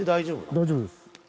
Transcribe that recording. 大丈夫です。